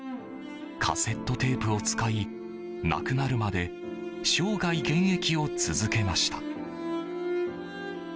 カセットテープを使い亡くなるまで生涯現役を続けました。